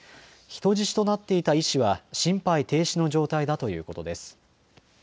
人質となっていた医師は、心肺停止の状態だということです。